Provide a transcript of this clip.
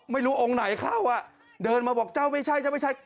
ไม่รู้องค์ไหนเข้าอ่ะเดินมาบอกเจ้าไม่ใช่เจ้าไม่ใช่